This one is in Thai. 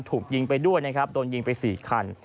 ถูกยิงไปด้วยนะครับโดนยิงไป๔คัน